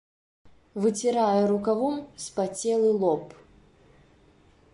Выцірае рукавом спацелы лоб.